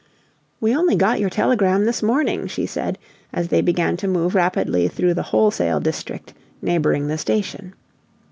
"We only got your telegram this morning," she said, as they began to move rapidly through the "wholesale district" neighboring the station.